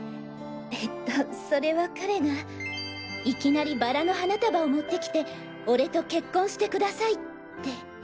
えっとそれは彼がいきなりバラの花束を持ってきて俺と結婚してください！って。